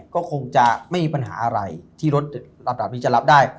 ก็คงจะไม่มีปัญหาอะไรที่รถระดับนี้จะรับได้